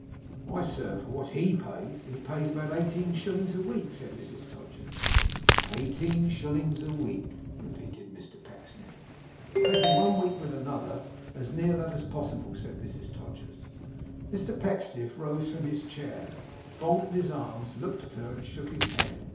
'Why, sir, for what HE has, he pays about eighteen shillings a week!' said Mrs Todgers. 'Eighteen shillings a week!' repeated Mr Pecksniff. 'Taking one week with another; as near that as possible,' said Mrs Todgers. Mr Pecksniff rose from his chair, folded his arms, looked at her, and shook his head.